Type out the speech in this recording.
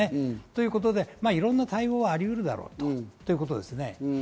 ということで、いろんな対応はありうるだろうということです。